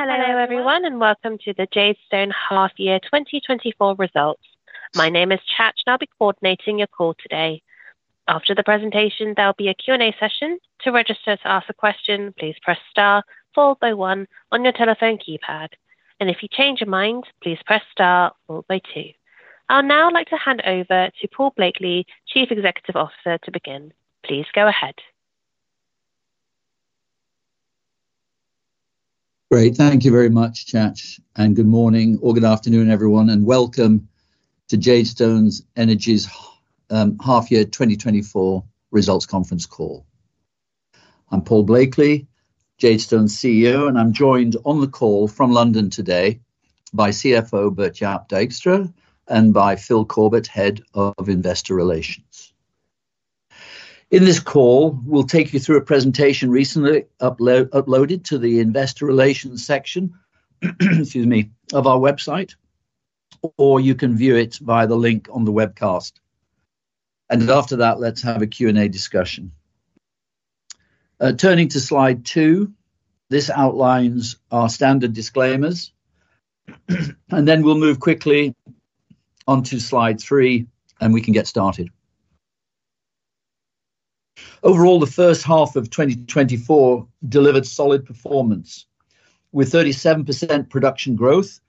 Hello everyone, and welcome to the Jadestone Half Year 2024 results. My name is Church, and I'll be coordinating your call today. After the presentation, there'll be a Q&A session. To register to ask a question, please press star followed by one on your telephone keypad, and if you change your mind, please press star followed by two. I'll now like to hand over to Paul Blakeley, Chief Executive Officer, to begin. Please go ahead. Great. Thank you very much, Church, and good morning or good afternoon, everyone, and welcome to Jadestone Energy's Half Year 2024 Results conference call. I'm Paul Blakeley, Jadestone's CEO, and I'm joined on the call from London today by CFO Bert-Jaap Dijkstra, and by Phil Corbett, Head of Investor Relations. In this call, we'll take you through a presentation recently uploaded to the investor relations section, excuse me, of our website, or you can view it via the link on the webcast. And after that, let's have a Q&A discussion. Turning to slide two, this outlines our standard disclaimers. And then we'll move quickly on to slide three, and we can get started. Overall, the first half of 2024 delivered solid performance, with 37% production growth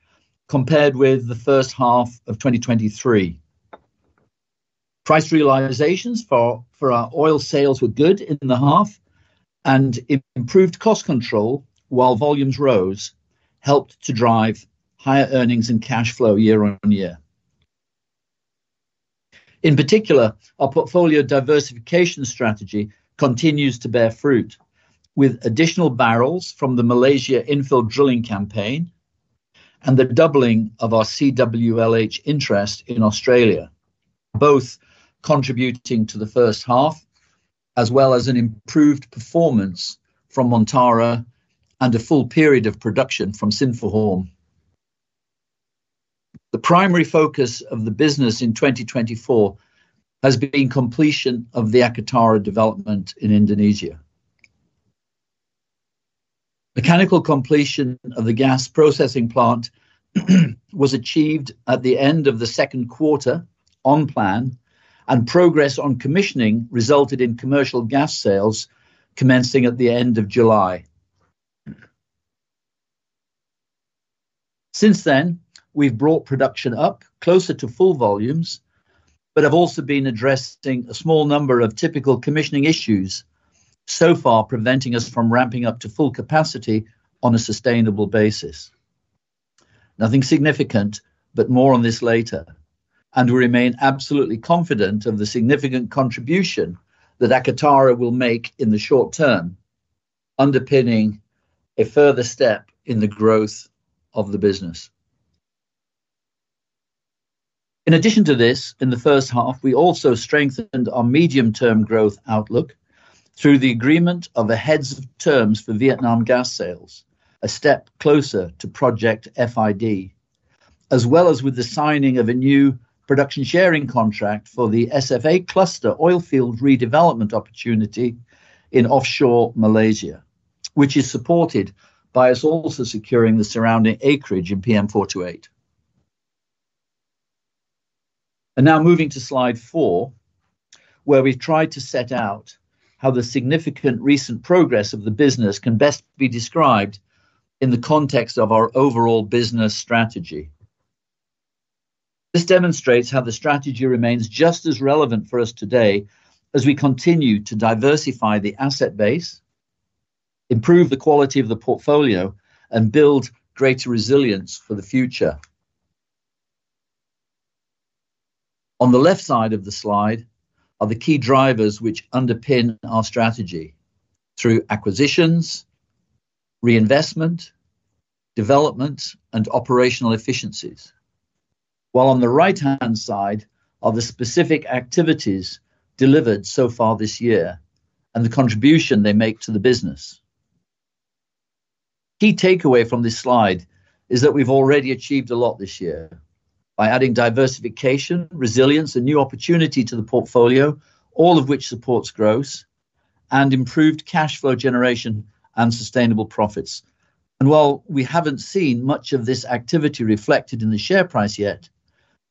compared with the first half of 2023. Price realizations for, for our oil sales were good in the half, and improved cost control, while volumes rose, helped to drive higher earnings and cash flow year on year. In particular, our portfolio diversification strategy continues to bear fruit, with additional barrels from the Malaysia infill drilling campaign and the doubling of our CWLH interest in Australia, both contributing to the first half, as well as an improved performance from Montara and a full period of production from Sinphuhorm. The primary focus of the business in 2024 has been completion of the Akatara development in Indonesia. Mechanical completion of the gas processing plant was achieved at the end of the second quarter on plan, and progress on commissioning resulted in commercial gas sales commencing at the end of July. Since then, we've brought production up closer to full volumes, but have also been addressing a small number of typical commissioning issues, so far preventing us from ramping up to full capacity on a sustainable basis. Nothing significant, but more on this later, and we remain absolutely confident of the significant contribution that Akatara will make in the short term, underpinning a further step in the growth of the business. In addition to this, in the first half, we also strengthened our medium-term growth outlook through the agreement of the heads of terms for Vietnam gas sales, a step closer to Project FID. As well as with the signing of a new production sharing contract for the SFA Cluster oil field redevelopment opportunity in offshore Malaysia, which is supported by us also securing the surrounding acreage in PM428. Now moving to slide four, where we've tried to set out how the significant recent progress of the business can best be described in the context of our overall business strategy. This demonstrates how the strategy remains just as relevant for us today as we continue to diversify the asset base, improve the quality of the portfolio, and build greater resilience for the future. On the left side of the slide are the key drivers which underpin our strategy through acquisitions, reinvestment, development, and operational efficiencies. While on the right-hand side are the specific activities delivered so far this year and the contribution they make to the business. Key takeaway from this slide is that we've already achieved a lot this year by adding diversification, resilience, and new opportunity to the portfolio, all of which supports growth and improved cash flow generation and sustainable profits. While we haven't seen much of this activity reflected in the share price yet,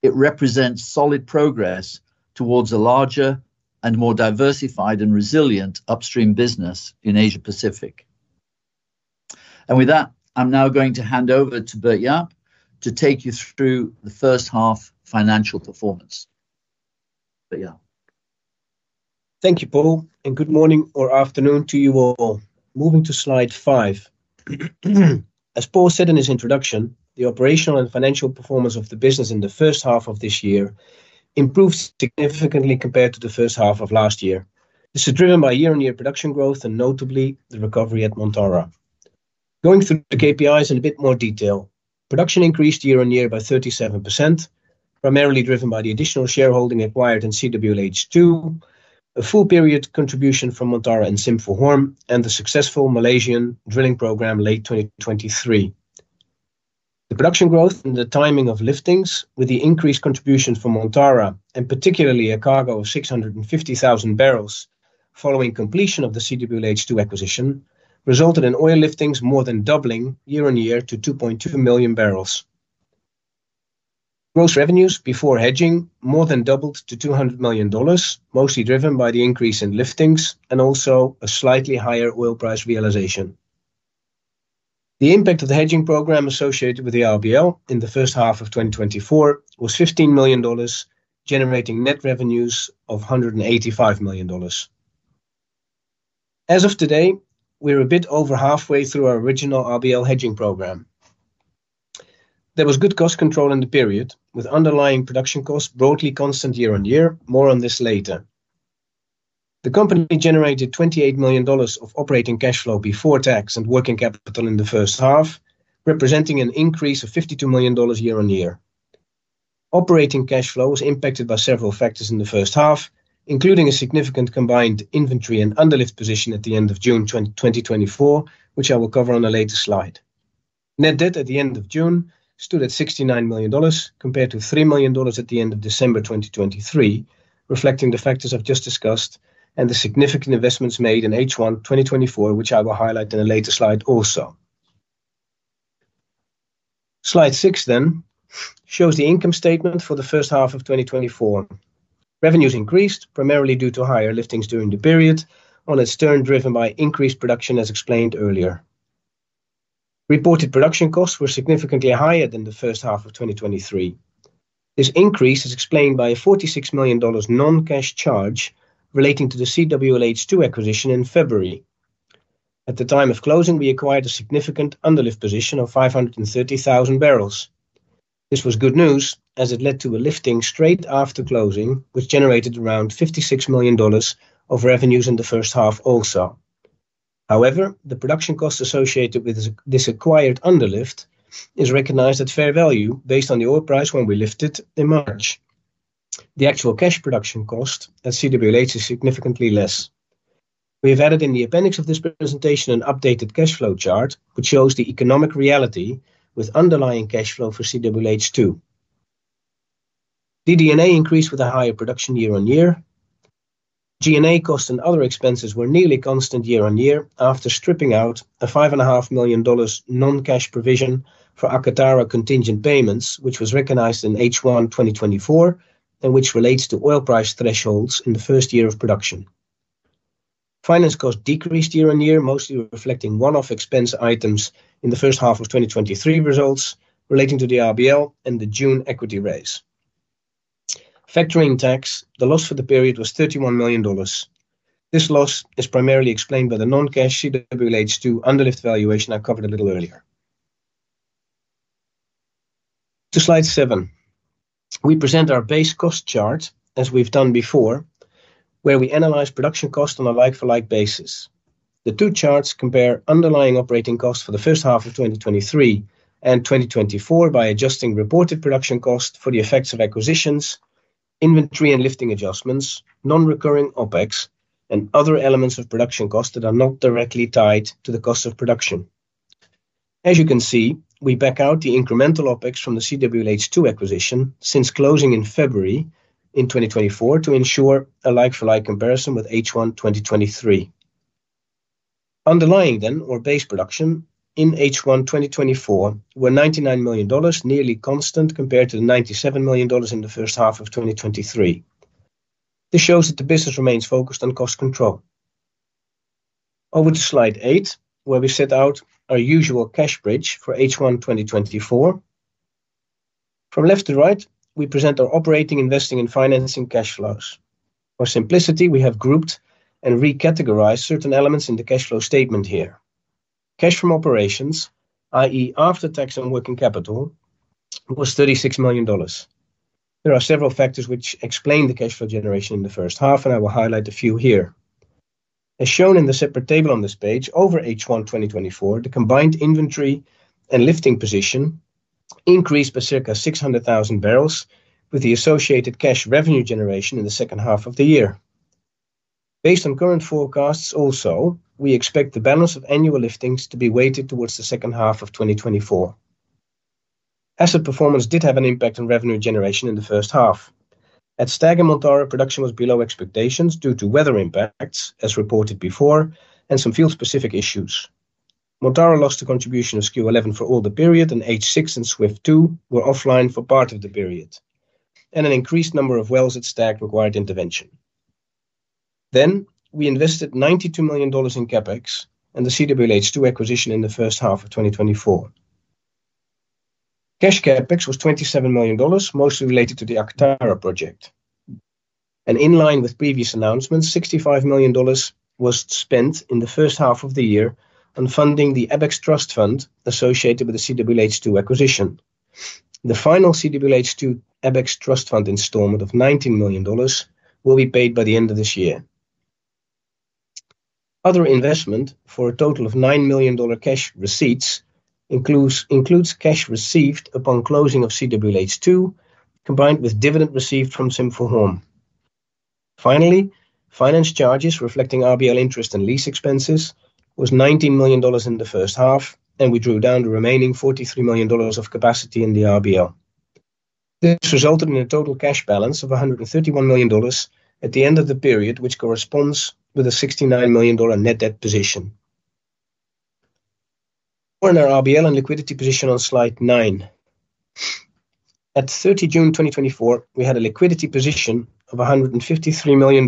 it represents solid progress towards a larger and more diversified and resilient upstream business in Asia-Pacific. With that, I'm now going to hand over to Bert-Jaap to take you through the first half financial performance. Bert-Jaap. Thank you, Paul, and good morning or afternoon to you all. Moving to slide five. As Paul said in his introduction, the operational and financial performance of the business in the first half of this year improved significantly compared to the first half of last year. This is driven by year-on-year production growth and notably the recovery at Montara. Going through the KPIs in a bit more detail. Production increased year on year by 37%, primarily driven by the additional shareholding acquired in CWLH 2, a full period contribution from Montara and Sinphuhorm, and the successful Malaysian drilling program late 2023. The production growth and the timing of liftings, with the increased contribution from Montara, and particularly a cargo of 650,000 barrels following completion of the CWLH2 acquisition, resulted in oil liftings more than doubling year on year to 2.2 million barrels. Gross revenues before hedging more than doubled to $200 million, mostly driven by the increase in liftings and also a slightly higher oil price realization. The impact of the hedging program associated with the RBL in the first half of 2024 was $15 million, generating net revenues of $185 million. As of today, we're a bit over halfway through our original RBL hedging program. There was good cost control in the period, with underlying production costs broadly constant year on year. More on this later. The company generated $28 million of operating cash flow before tax and working capital in the first half, representing an increase of $52 million year on year. Operating cash flow was impacted by several factors in the first half, including a significant combined inventory and underlift position at the end of June 2024, which I will cover on a later slide. Net debt at the end of June stood at $69 million, compared to $3 million at the end of December 2023, reflecting the factors I've just discussed and the significant investments made in H1 2024, which I will highlight in a later slide also. Slide 6 then shows the income statement for the first half of 2024. Revenues increased primarily due to higher liftings during the period, on its turn, driven by increased production as explained earlier. Reported production costs were significantly higher than the first half of 2023. This increase is explained by a $46 million non-cash charge relating to the CWLH acquisition in February. At the time of closing, we acquired a significant underlift position of 530,000 barrels. This was good news as it led to a lifting straight after closing, which generated around $56 million of revenues in the first half also. However, the production costs associated with this acquired underlift is recognized at fair value based on the oil price when we lifted in March. The actual cash production cost at CWLH is significantly less. We have added in the appendix of this presentation an updated cash flow chart, which shows the economic reality with underlying cash flow for CWLH2. DD&A increased with a higher production year on year. G&A costs and other expenses were nearly constant year on year, after stripping out a $5.5 million non-cash provision for Akatara contingent payments, which was recognized in H1 2024, and which relates to oil price thresholds in the first year of production. Finance costs decreased year on year, mostly reflecting one-off expense items in the first half of 2023 results relating to the RBL and the June equity raise. Factoring tax, the loss for the period was $31 million. This loss is primarily explained by the non-cash CWLH2 underlift valuation I covered a little earlier. To slide 7, we present our base cost chart, as we've done before, where we analyze production costs on a like-for-like basis. The two charts compare underlying operating costs for the first half of 2023 and 2024 by adjusting reported production costs for the effects of acquisitions, inventory and lifting adjustments, non-recurring OpEx, and other elements of production costs that are not directly tied to the cost of production. As you can see, we back out the incremental OpEx from the CWLH2 acquisition since closing in February 2024 to ensure a like-for-like comparison with H1 2023. Underlying then, or base production in H1 2024 were $99 million, nearly constant compared to the $97 million in the first half of 2023. This shows that the business remains focused on cost control. Over to slide eight, where we set out our usual cash bridge for H1 2024. From left to right, we present our operating, investing, and financing cash flows. For simplicity, we have grouped and recategorized certain elements in the cash flow statement here. Cash from operations, i.e., after tax and working capital, was $36 million. There are several factors which explain the cash flow generation in the first half, and I will highlight a few here. As shown in the separate table on this page, over H1 2024, the combined inventory and lifting position increased by circa 600,000 barrels, with the associated cash revenue generation in the second half of the year. Based on current forecasts also, we expect the balance of annual liftings to be weighted towards the second half of 2024. Asset performance did have an impact on revenue generation in the first half. At Stag and Montara, production was below expectations due to weather impacts, as reported before, and some field-specific issues. Montara lost a contribution of Skua-11 for all the period, and H6 and Swift-2 were offline for part of the period, and an increased number of wells at Stag required intervention. Then, we invested $92 million in CapEx and the CWLH2 acquisition in the first half of 2024. Cash CapEx was $27 million, mostly related to the Akatara project. And in line with previous announcements, $65 million was spent in the first half of the year on funding the ABEX Trust Fund associated with the CWLH2 acquisition. The final CWLH2 ABEX Trust Fund installment of $19 million will be paid by the end of this year. Other investment for a total of $9 million cash receipts includes cash received upon closing of CWLH2, combined with dividend received from Sinphuhorm. Finally, finance charges reflecting RBL interest and lease expenses was $19 million in the first half, and we drew down the remaining $43 million of capacity in the RBL. This resulted in a total cash balance of $131 million at the end of the period, which corresponds with a $69 million net debt position. On our RBL and liquidity position on slide nine. At 30 June 2024, we had a liquidity position of $153 million,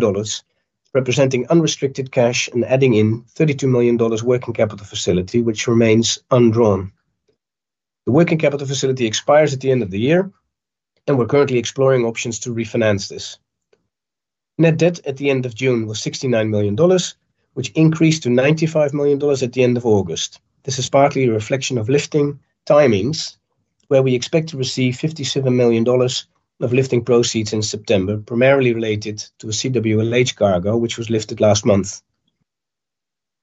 representing unrestricted cash and adding in $32 million working capital facility, which remains undrawn. The working capital facility expires at the end of the year, and we're currently exploring options to refinance this. Net debt at the end of June was $69 million, which increased to $95 million at the end of August. This is partly a reflection of lifting timings, where we expect to receive $57 million of lifting proceeds in September, primarily related to a CWLH cargo, which was lifted last month.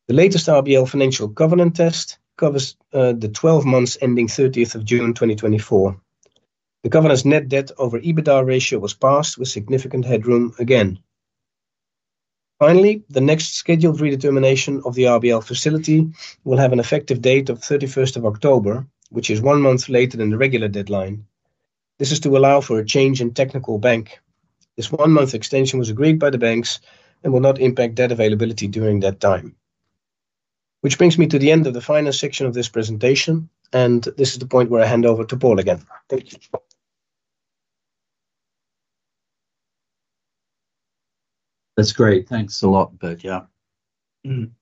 The latest RBL financial covenant test covers the twelve months ending thirtieth of June 2024. The covenant's net debt over EBITDA ratio was passed with significant headroom again. Finally, the next scheduled redetermination of the RBL facility will have an effective date of thirty-first of October, which is one month later than the regular deadline. This is to allow for a change in technical bank. This one-month extension was agreed by the banks and will not impact debt availability during that time. Which brings me to the end of the finance section of this presentation, and this is the point where I hand over to Paul again. Thank you. That's great. Thanks a lot, Bert-Jaap. And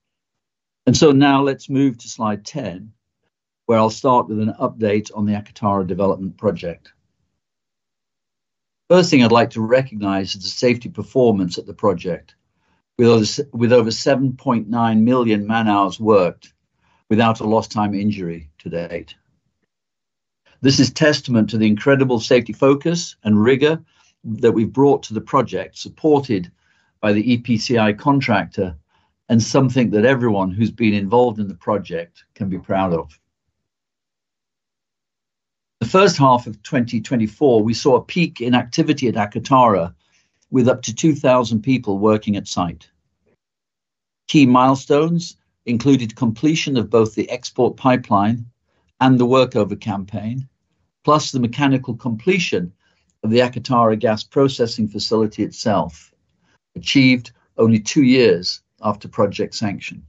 so now let's move to slide 10, where I'll start with an update on the Akatara development project. First thing I'd like to recognize is the safety performance at the project, with over 7.9 million man-hours worked without a lost time injury to date. This is testament to the incredible safety focus and rigor that we've brought to the project, supported by the EPCI contractor and something that everyone who's been involved in the project can be proud of. The first half of 2024, we saw a peak in activity at Akatara, with up to 2,000 people working at site. Key milestones included completion of both the export pipeline and the workover campaign, plus the mechanical completion of the Akatara gas processing facility itself, achieved only two years after project sanction.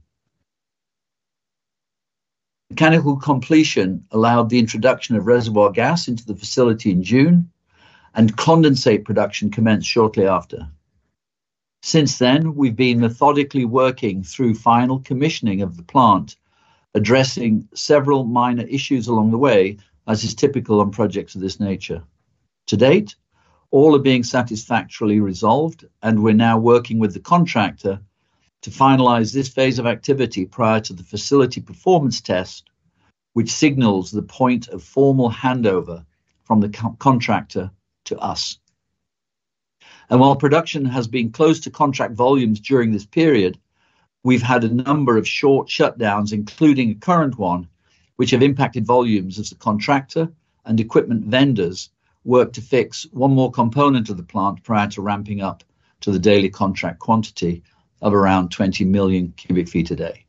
Mechanical completion allowed the introduction of reservoir gas into the facility in June, and condensate production commenced shortly after. Since then, we've been methodically working through final commissioning of the plant, addressing several minor issues along the way, as is typical on projects of this nature. To date, all are being satisfactorily resolved, and we're now working with the contractor to finalize this phase of activity prior to the facility performance test, which signals the point of formal handover from the contractor to us, and while production has been close to contract volumes during this period, we've had a number of short shutdowns, including a current one, which have impacted volumes as the contractor and equipment vendors work to fix one more component of the plant prior to ramping up to the daily contract quantity of around 20 million cubic feet a day.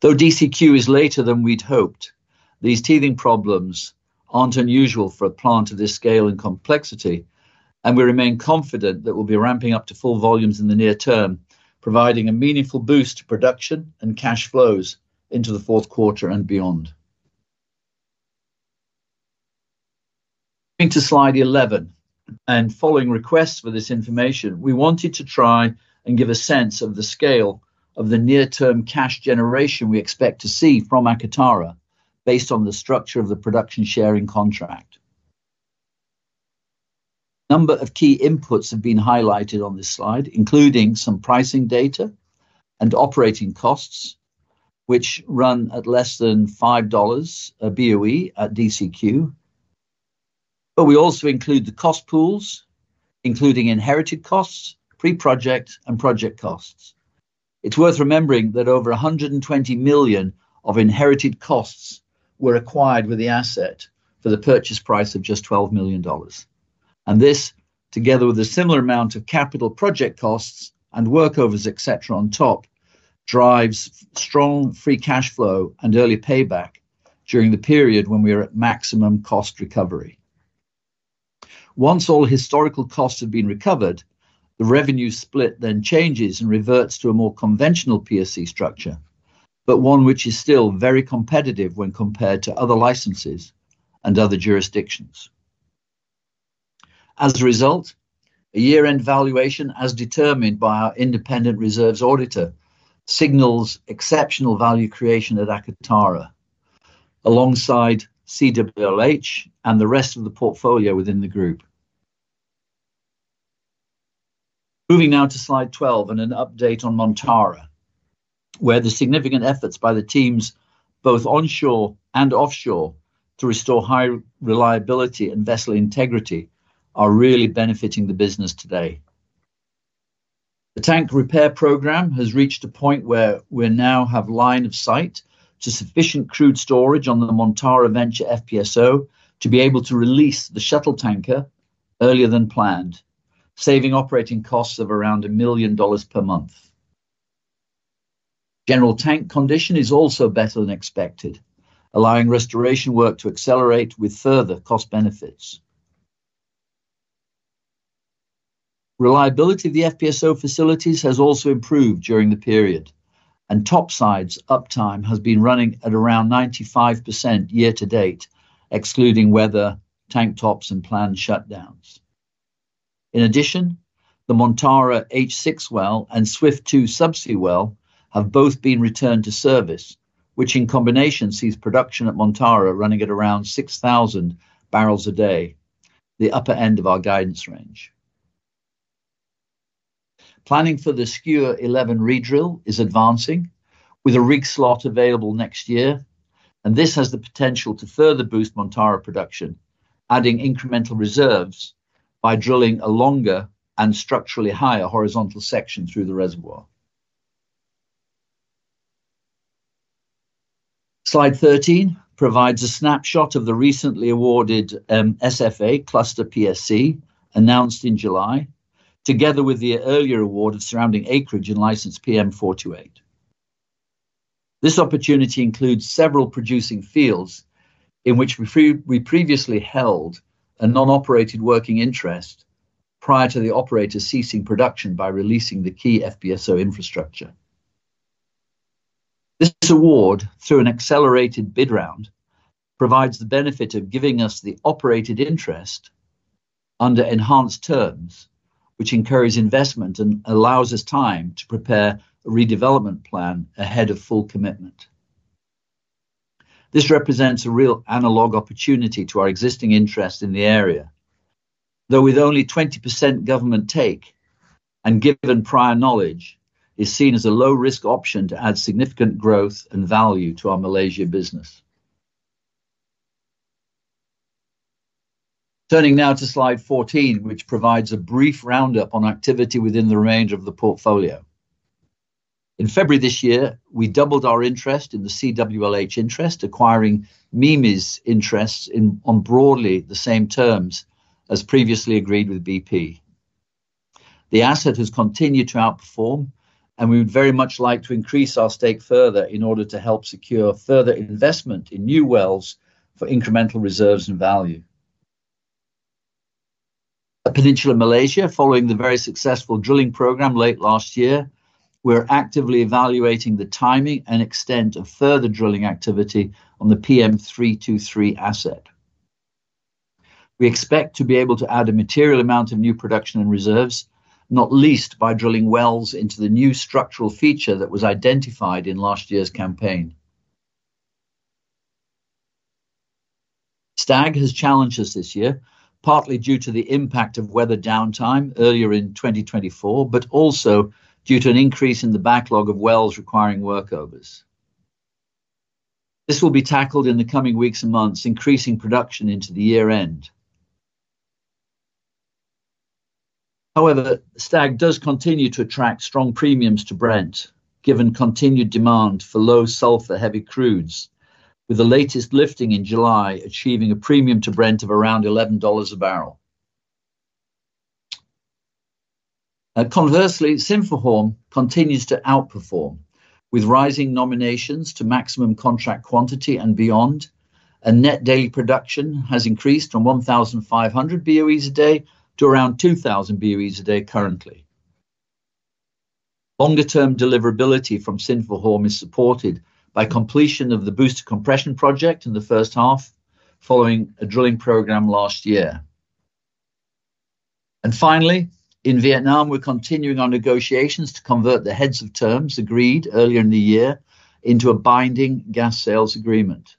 Though DCQ is later than we'd hoped, these teething problems aren't unusual for a plant of this scale and complexity, and we remain confident that we'll be ramping up to full volumes in the near term, providing a meaningful boost to production and cash flows into the fourth quarter and beyond. Into Slide 11, and following requests for this information, we wanted to try and give a sense of the scale of the near-term cash generation we expect to see from Akatara, based on the structure of the production sharing contract. A number of key inputs have been highlighted on this slide, including some pricing data and operating costs, which run at less than $5 a BOE at DCQ. But we also include the cost pools, including inherited costs, pre-project, and project costs. It's worth remembering that over $120 million of inherited costs were acquired with the asset for the purchase price of just $12 million, and this, together with a similar amount of capital project costs and workovers, et cetera, on top, drives strong free cash flow and early payback during the period when we are at maximum cost recovery. Once all historical costs have been recovered, the revenue split then changes and reverts to a more conventional PSC structure, but one which is still very competitive when compared to other licenses and other jurisdictions. As a result, a year-end valuation, as determined by our independent reserves auditor, signals exceptional value creation at Akatara, alongside CWLH and the rest of the portfolio within the group. Moving now to slide twelve and an update on Montara, where the significant efforts by the teams, both onshore and offshore, to restore high reliability and vessel integrity are really benefiting the business today. The tank repair program has reached a point where we now have line of sight to sufficient crude storage on the Montara Venture FPSO to be able to release the shuttle tanker earlier than planned, saving operating costs of around $1 million per month. General tank condition is also better than expected, allowing restoration work to accelerate with further cost benefits. Reliability of the FPSO facilities has also improved during the period, and topsides uptime has been running at around 95% year to date, excluding weather, tank tops, and planned shutdowns. In addition, the Montara H-6 well and Swift-2 subsea well have both been returned to service, which in combination sees production at Montara running at around 6,000 barrels a day, the upper end of our guidance range. Planning for the Skua-11 re-drill is advancing, with a rig slot available next year, and this has the potential to further boost Montara production, adding incremental reserves by drilling a longer and structurally higher horizontal section through the reservoir. Slide 13 provides a snapshot of the recently awarded SFA Cluster PSC, announced in July, together with the earlier award of surrounding acreage and license PM428. This opportunity includes several producing fields in which we previously held a non-operated working interest prior to the operator ceasing production by releasing the key FPSO infrastructure. This award, through an accelerated bid round, provides the benefit of giving us the operated interest under enhanced terms, which encourages investment and allows us time to prepare a redevelopment plan ahead of full commitment. This represents a real analog opportunity to our existing interest in the area, though with only 20% government take and given prior knowledge, is seen as a low-risk option to add significant growth and value to our Malaysia business. Turning now to slide 14, which provides a brief roundup on activity within the range of the portfolio. In February this year, we doubled our interest in the CWLH interest, acquiring MIMI's interests in, on broadly the same terms as previously agreed with BP. The asset has continued to outperform, and we would very much like to increase our stake further in order to help secure further investment in new wells for incremental reserves and value. At Peninsular Malaysia, following the very successful drilling program late last year, we're actively evaluating the timing and extent of further drilling activity on the PM323 asset. We expect to be able to add a material amount of new production and reserves, not least by drilling wells into the new structural feature that was identified in last year's campaign. Stag has challenged us this year, partly due to the impact of weather downtime earlier in 2024, but also due to an increase in the backlog of wells requiring workovers. This will be tackled in the coming weeks and months, increasing production into the year-end. However, Stag does continue to attract strong premiums to Brent, given continued demand for low sulfur heavy crudes, with the latest lifting in July achieving a premium to Brent of around $11 a barrel. Conversely, Sinphuhorm continues to outperform, with rising nominations to maximum contract quantity and beyond. And net daily production has increased from 1,500 BOEs a day to around 2,000 BOEs a day currently. Longer-term deliverability from Sinphuhorm is supported by completion of the booster compression project in the first half, following a drilling program last year. And finally, in Vietnam, we're continuing our negotiations to convert the heads of terms agreed earlier in the year into a binding gas sales agreement.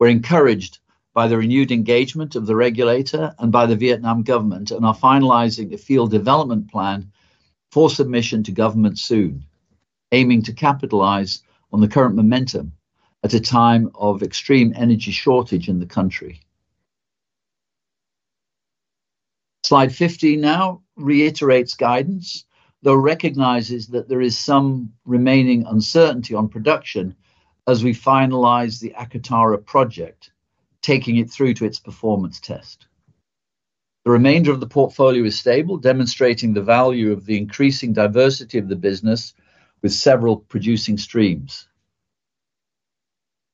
We're encouraged by the renewed engagement of the regulator and by the Vietnam government, and are finalizing a field development plan for submission to government soon, aiming to capitalize on the current momentum at a time of extreme energy shortage in the country. Slide 15 now reiterates guidance, though recognizes that there is some remaining uncertainty on production as we finalize the Akatara project, taking it through to its performance test. The remainder of the portfolio is stable, demonstrating the value of the increasing diversity of the business with several producing streams.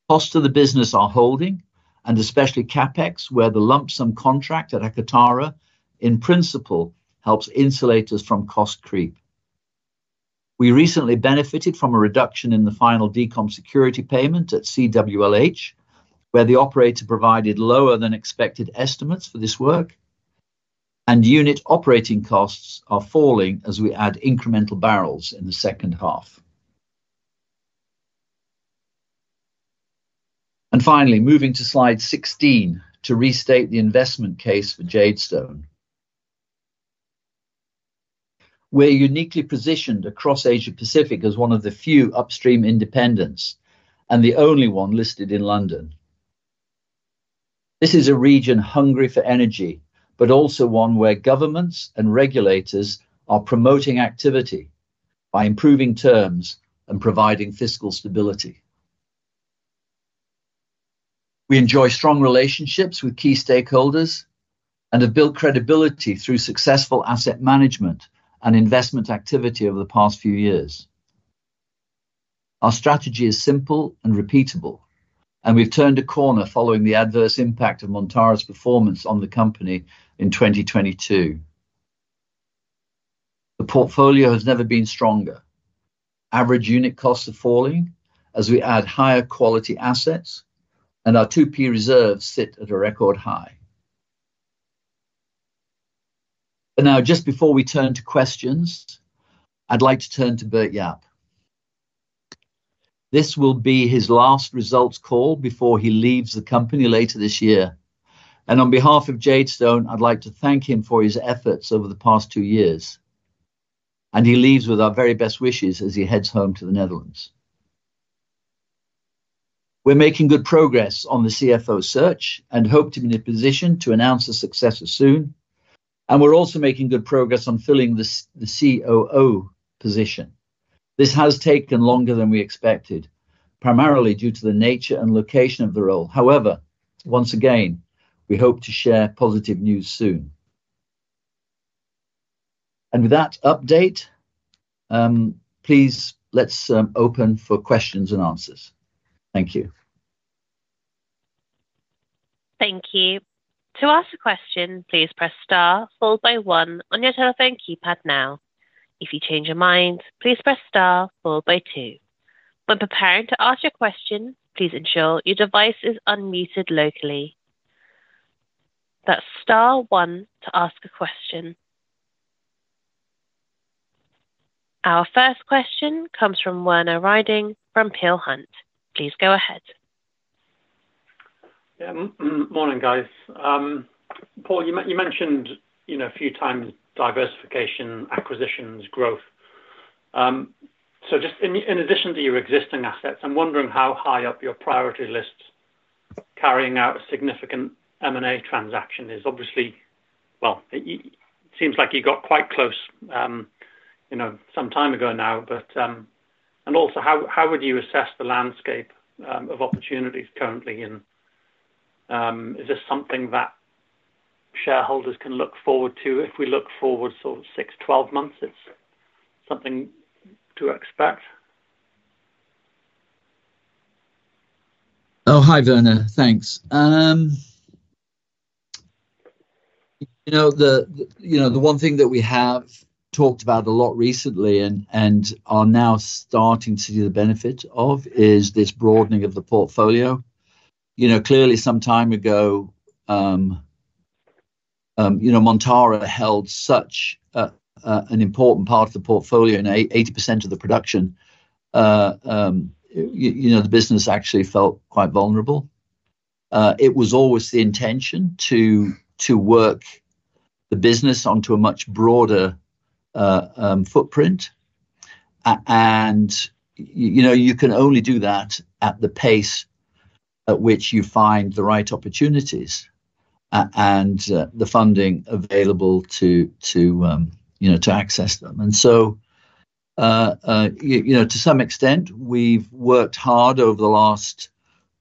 Costs to the business are holding, and especially CapEx, where the lump sum contract at Akatara, in principle, helps insulate us from cost creep. We recently benefited from a reduction in the final decom security payment at CWLH, where the operator provided lower than expected estimates for this work, and unit operating costs are falling as we add incremental barrels in the second half. And finally, moving to slide 16 to restate the investment case for Jadestone. We're uniquely positioned across Asia-Pacific as one of the few upstream independents and the only one listed in London. This is a region hungry for energy, but also one where governments and regulators are promoting activity by improving terms and providing fiscal stability. We enjoy strong relationships with key stakeholders and have built credibility through successful asset management and investment activity over the past few years. Our strategy is simple and repeatable, and we've turned a corner following the adverse impact of Montara's performance on the company in 2022. The portfolio has never been stronger. Average unit costs are falling as we add higher quality assets, and our 2P reserves sit at a record high. But now just before we turn to questions, I'd like to turn to Bert-Jaap. This will be his last results call before he leaves the company later this year. And on behalf of Jadestone, I'd like to thank him for his efforts over the past two years, and he leaves with our very best wishes as he heads home to the Netherlands. We're making good progress on the CFO search and hope to be in a position to announce a successor soon, and we're also making good progress on filling the COO position. This has taken longer than we expected, primarily due to the nature and location of the role. However, once again, we hope to share positive news soon. And with that update, please, let's open for questions and answers. Thank you. Thank you. To ask a question, please press Star followed by one on your telephone keypad now. If you change your mind, please press Star followed by two. When preparing to ask your question, please ensure your device is unmuted locally. That's Star one to ask a question. Our first question comes from Werner Riding from Peel Hunt. Please go ahead. Yeah, morning, guys. Paul, you mentioned, you know, a few times diversification, acquisitions, growth. So just in addition to your existing assets, I'm wondering how high up your priority list carrying out a significant M&A transaction is. Well, it seems like you got quite close, you know, some time ago now, but, and also, how would you assess the landscape of opportunities currently, and is this something that shareholders can look forward to if we look forward sort of six to 12 months, it's something to expect? Oh, hi, Werner. Thanks. You know, the one thing that we have talked about a lot recently and are now starting to see the benefit of is this broadening of the portfolio. You know, clearly, some time ago, you know, Montara held such an important part of the portfolio and 80% of the production. You know, the business actually felt quite vulnerable. It was always the intention to work the business onto a much broader footprint. And, you know, you can only do that at the pace at which you find the right opportunities, and the funding available to you know to access them. And so, you know, to some extent, we've worked hard over the last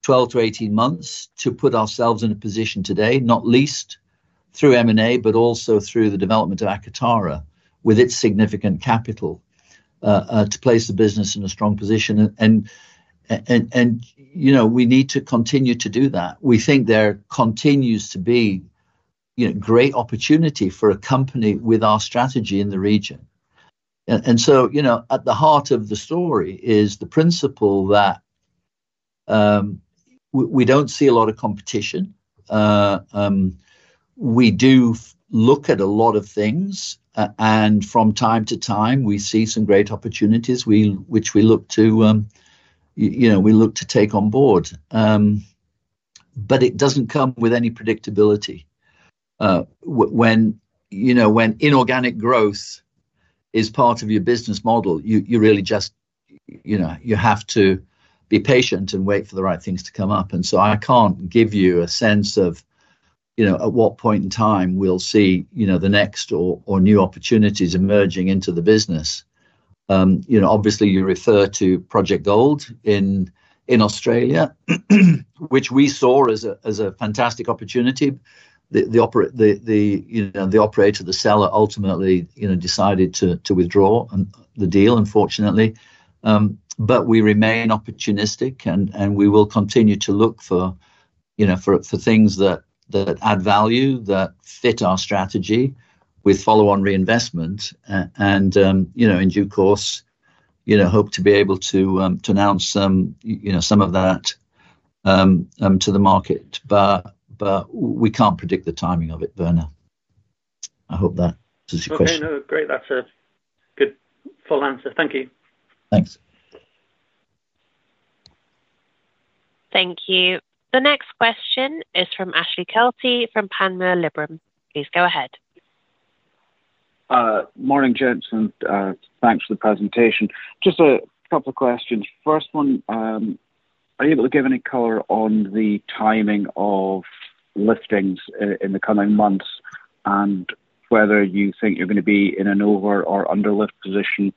12-18 months to put ourselves in a position today, not least through M&A, but also through the development of Akatara, with its significant capital to place the business in a strong position. And you know, we need to continue to do that. We think there continues to be, you know, great opportunity for a company with our strategy in the region. And so, you know, at the heart of the story is the principle that we don't see a lot of competition. We do look at a lot of things, and from time to time, we see some great opportunities which we look to, you know, we look to take on board. But it doesn't come with any predictability. When, you know, when inorganic growth is part of your business model, you really just, you know, you have to be patient and wait for the right things to come up. And so I can't give you a sense of, you know, at what point in time we'll see, you know, the next or new opportunities emerging into the business. You know, obviously, you refer to Project Gold in Australia, which we saw as a fantastic opportunity. The operator, the seller, ultimately, you know, decided to withdraw the deal, unfortunately. But we remain opportunistic and we will continue to look for, you know, things that add value that fit our strategy with follow-on reinvestment and, you know, in due course, you know, hope to be able to announce some, you know, some of that to the market. But we can't predict the timing of it, Werner. I hope that answers your question. Okay. No, great. That's a good full answer. Thank you. Thanks. Thank you. The next question is from Ashley Kelty, from Panmure Liberum. Please go ahead. Morning, gents, and thanks for the presentation. Just a couple of questions. First one, are you able to give any color on the timing of liftings in the coming months, and whether you think you're gonna be in an over or under lift position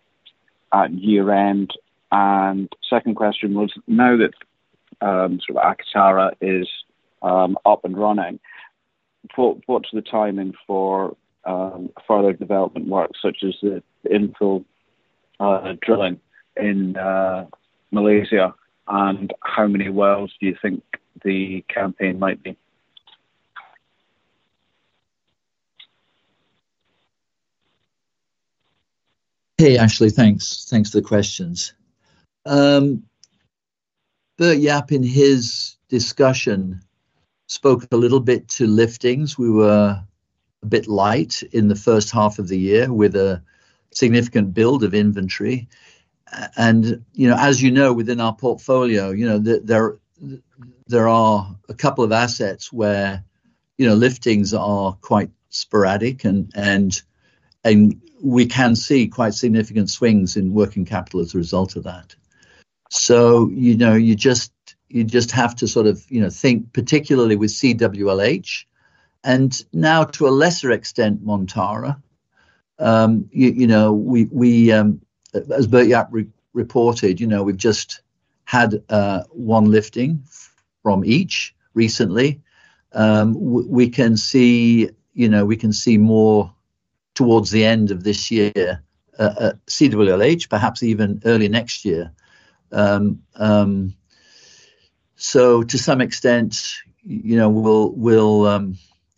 at year-end? Second question was, now that sort of Akatara is up and running, what's the timing for further development work, such as the infill drilling in Malaysia, and how many wells do you think the campaign might be? Hey, Ashley. Thanks. Thanks for the questions. Bert-Jaap, in his discussion, spoke a little bit to liftings. We were a bit light in the first half of the year with a significant build of inventory. And, you know, as you know, within our portfolio, you know, there are a couple of assets where, you know, liftings are quite sporadic, and we can see quite significant swings in working capital as a result of that. So, you know, you just have to sort of, you know, think, particularly with CWLH, and now to a lesser extent, Montara. You know, we, as Bert-Jaap reported, you know, we've just had one lifting from each recently. We can see, you know, we can see more towards the end of this year, CWLH, perhaps even early next year. So to some extent,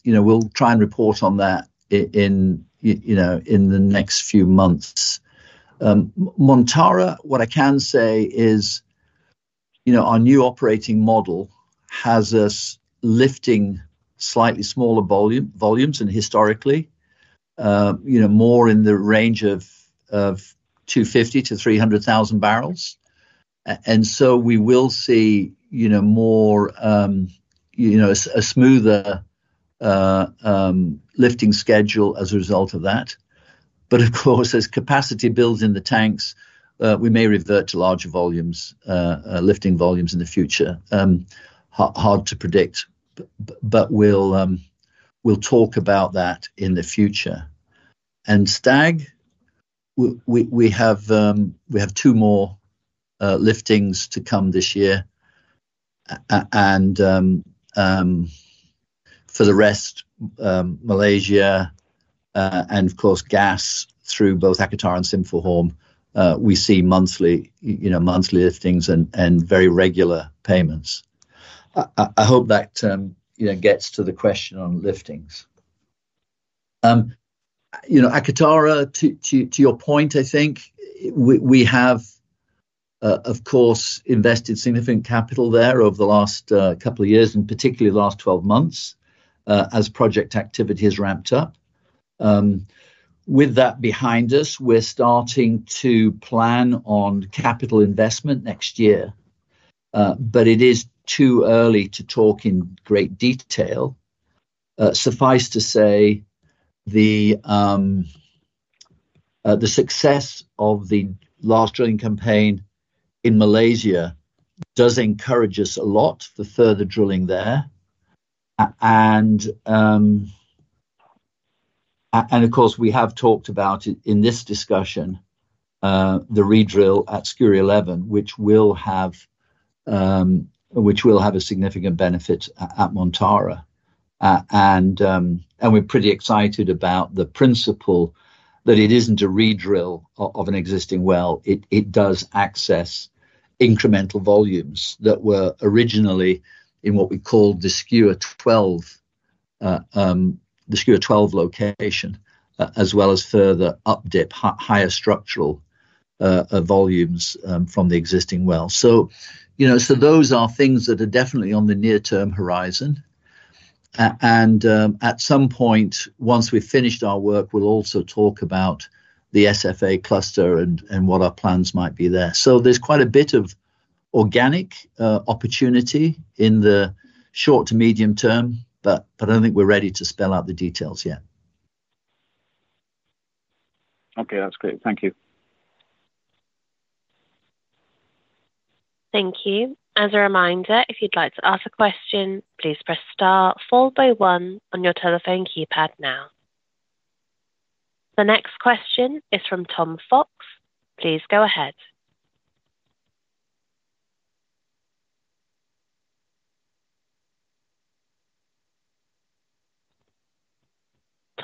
you know, we'll try and report on that in, you know, in the next few months. Montara, what I can say is, you know, our new operating model has us lifting slightly smaller volumes than historically, you know, more in the range of 250,000-300,000 thousand barrels. And so we will see, you know, more, you know, a smoother lifting schedule as a result of that. But of course, as capacity builds in the tanks, we may revert to larger lifting volumes in the future. Hard to predict, but we'll talk about that in the future. And Stag, we have two more liftings to come this year. And for the rest, Malaysia, and of course, gas through both Akatara and Sinphuhorm, we see monthly, you know, monthly liftings and very regular payments. I hope that, you know, gets to the question on liftings. You know, Akatara, to your point, I think we have, of course, invested significant capital there over the last couple of years, and particularly the last twelve months, as project activity has ramped up. With that behind us, we're starting to plan on capital investment next year, but it is too early to talk in great detail. Suffice to say, the success of the last drilling campaign in Malaysia does encourage us a lot for further drilling there. And of course, we have talked about it in this discussion, the redrill at Skua-11 which will have a significant benefit at Montara. And we're pretty excited about the principle that it isn't a redrill of an existing well. It does access incremental volumes that were originally in what we call the Skua-12 location, as well as further updip, higher structural volumes from the existing well. So, you know, so those are things that are definitely on the near-term horizon. And at some point, once we've finished our work, we'll also talk about the SFA Cluster and what our plans might be there. So there's quite a bit of organic opportunity in the short to medium term, but I don't think we're ready to spell out the details yet. Okay, that's great. Thank you. Thank you. As a reminder, if you'd like to ask a question, please press star followed by one on your telephone keypad now. The next question is from Tom Fox.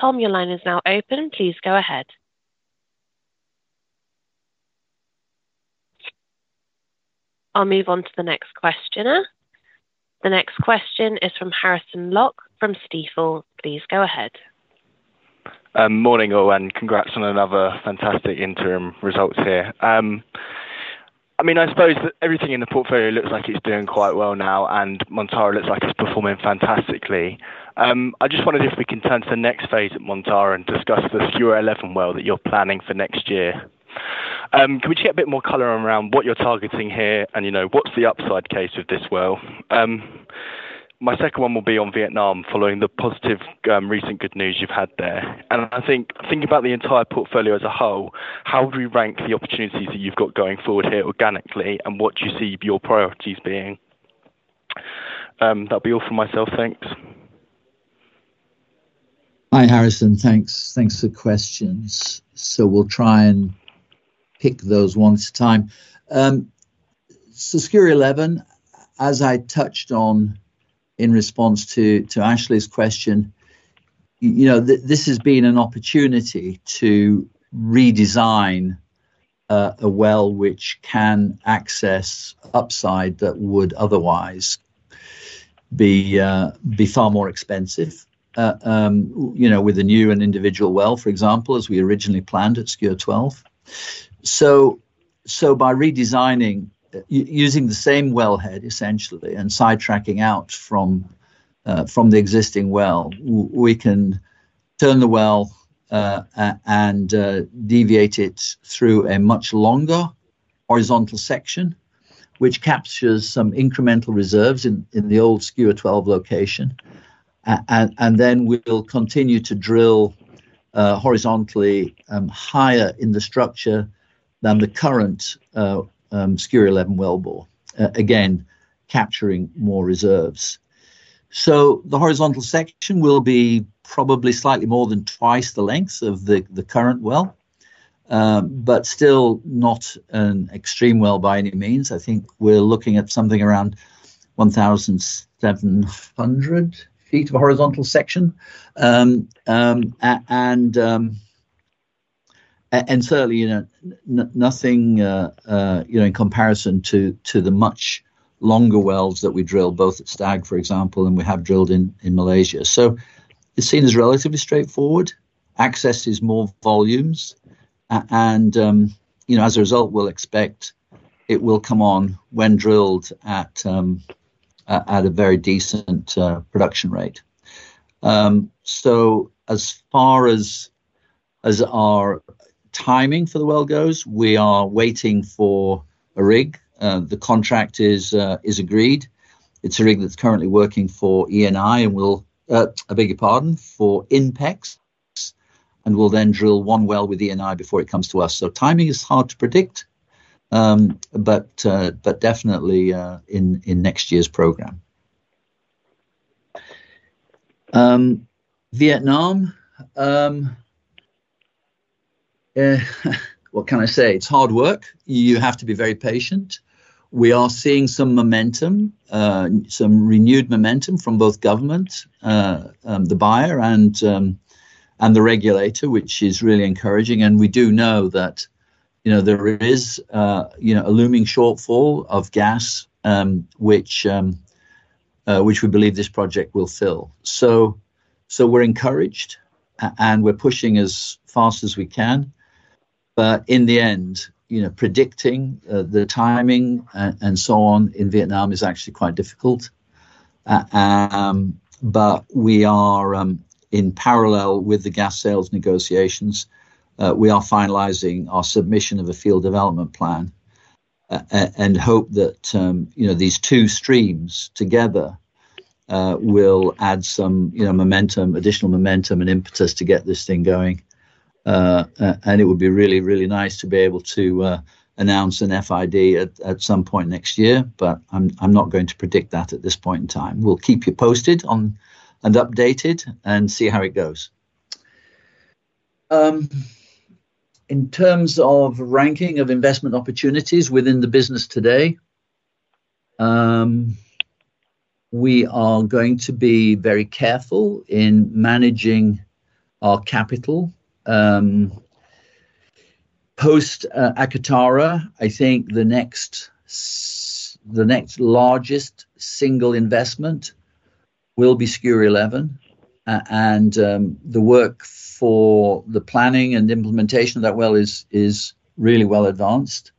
Please go ahead. Tom, your line is now open. Please go ahead. I'll move on to the next questioner. The next question is from Harrison Lock, from Stifel. Please go ahead. Morning, all, and congrats on another fantastic interim results here. I mean, I suppose that everything in the portfolio looks like it's doing quite well now, and Montara looks like it's performing fantastically. I just wondered if we can turn to the next phase at Montara and discuss the Skua-11 well that you're planning for next year? Can we get a bit more color around what you're targeting here, and, you know, what's the upside case with this well? My second one will be on Vietnam, following the positive, recent good news you've had there. And I think, thinking about the entire portfolio as a whole, how would we rank the opportunities that you've got going forward here organically, and what do you see your priorities being? That'll be all for myself. Thanks. Hi, Harrison. Thanks. Thanks for the questions. So we'll try and pick those one at a time. So Skua-11, as I touched on in response to Ashley's question, you know, this has been an opportunity to redesign a well which can access upside that would otherwise be far more expensive, you know, with a new and individual well, for example, as we originally planned at Skua-12. So by redesigning, using the same wellhead, essentially, and sidetracking out from the existing well, we can turn the well and deviate it through a much longer horizontal section, which captures some incremental reserves in the old Skua-12 location. And then we will continue to drill horizontally higher in the structure than the current Skua-11 wellbore, again, capturing more reserves. So the horizontal section will be probably slightly more than twice the length of the current well, but still not an extreme well by any means. I think we're looking at something around 1,700 feet of horizontal section. And certainly, you know, nothing, you know, in comparison to the much longer wells that we drilled, both at Stag, for example, and we have drilled in Malaysia. So it seems relatively straightforward. Access is more volumes. And, you know, as a result, we'll expect it will come on when drilled at a very decent production rate. So as far as our timing for the well goes, we are waiting for a rig. The contract is agreed. It's a rig that's currently working for Eni, and we'll, I beg your pardon, for Inpex, and we'll then drill one well with Eni before it comes to us. So timing is hard to predict, but definitely in next year's program. Vietnam, what can I say? It's hard work. You have to be very patient. We are seeing some momentum, some renewed momentum from both government, the buyer and the regulator, which is really encouraging, and we do know that, you know, there is, you know, a looming shortfall of gas, which we believe this project will fill. So we're encouraged, and we're pushing as fast as we can. But in the end, you know, predicting the timing, and so on in Vietnam is actually quite difficult. But we are, in parallel with the gas sales negotiations, we are finalizing our submission of a field development plan, and hope that, you know, these two streams together will add some, you know, momentum, additional momentum and impetus to get this thing going. And it would be really, really nice to be able to announce an FID at some point next year, but I'm not going to predict that at this point in time. We'll keep you posted on, and updated, and see how it goes. In terms of ranking of investment opportunities within the business today, we are going to be very careful in managing our capital. Post Akatara, I think the next largest single investment will be Skua-11, and the work for the planning and implementation of that well is really well advanced.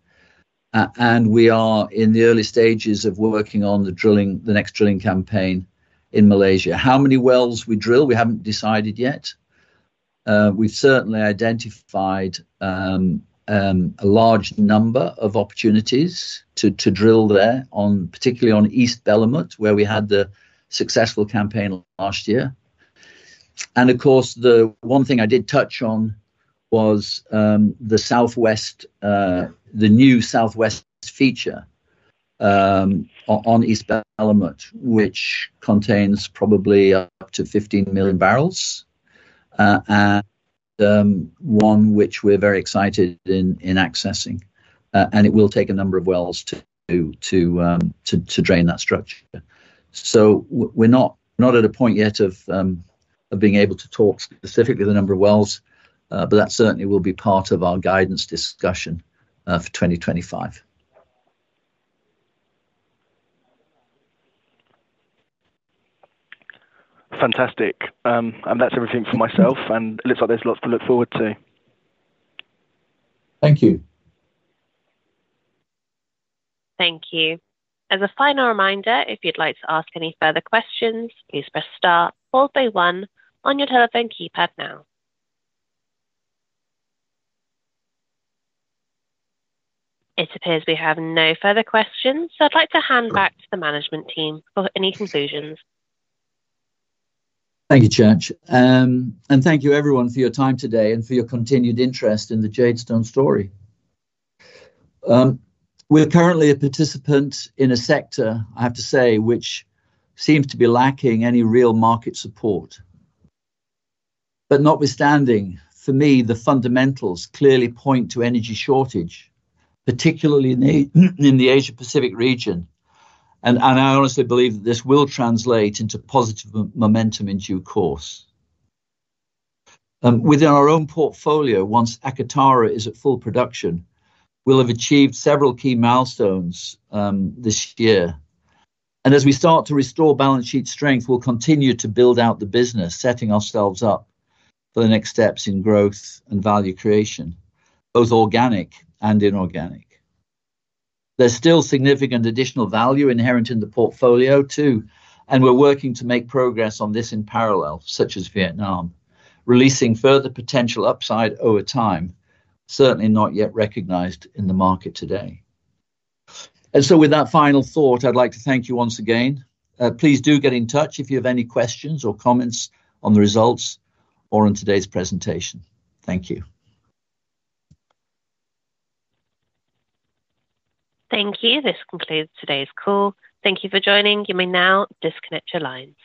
And we are in the early stages of working on the drilling, the next drilling campaign in Malaysia. How many wells we drill, we haven't decided yet. We've certainly identified a large number of opportunities to drill there, particularly on East Belumut, where we had the successful campaign last year. And of course, the one thing I did touch on was the southwest, the new southwest feature, on East Belumut, which contains probably up to 15 million barrels, and one which we're very excited in accessing. And it will take a number of wells to drain that structure. We're not at a point yet of being able to talk specifically the number of wells, but that certainly will be part of our guidance discussion for 2025. Fantastic. And that's everything for myself, and it looks like there's lots to look forward to. Thank you. Thank you. As a final reminder, if you'd like to ask any further questions, please press star, followed by one on your telephone keypad now. It appears we have no further questions, so I'd like to hand back to the management team for any conclusions. Thank you, Church. And thank you everyone for your time today and for your continued interest in the Jadestone story. We are currently a participant in a sector, I have to say, which seems to be lacking any real market support. But notwithstanding, for me, the fundamentals clearly point to energy shortage, particularly in the Asia Pacific region. And I honestly believe that this will translate into positive momentum in due course. Within our own portfolio, once Akatara is at full production, we'll have achieved several key milestones this year. And as we start to restore balance sheet strength, we'll continue to build out the business, setting ourselves up for the next steps in growth and value creation, both organic and inorganic. There's still significant additional value inherent in the portfolio, too, and we're working to make progress on this in parallel, such as Vietnam, releasing further potential upside over time, certainly not yet recognized in the market today, and so with that final thought, I'd like to thank you once again. Please do get in touch if you have any questions or comments on the results or on today's presentation. Thank you. Thank you. This concludes today's call. Thank you for joining. You may now disconnect your line.